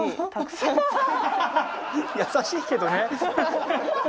優しいけどね。